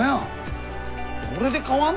これで変わんの？